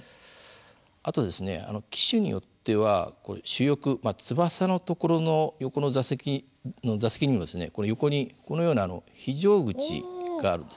あと機種によっては主翼翼の所の横の座席にもですね横にこのような非常口があるんですね。